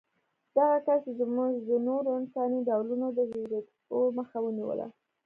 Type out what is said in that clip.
دغه کشف زموږ د نورو انساني ډولونو د هېرېدو مخه ونیوله.